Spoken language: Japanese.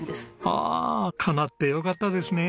ああかなってよかったですね。